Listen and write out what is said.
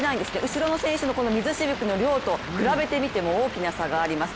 後ろの選手の水しぶきの量と比べてみても大きな差があります。